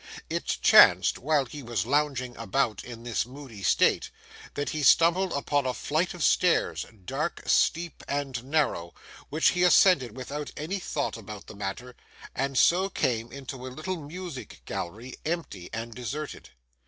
It chanced, while he was lounging about in this moody state, that he stumbled upon a flight of stairs, dark, steep, and narrow, which he ascended without any thought about the matter, and so came into a little music gallery, empty and deserted.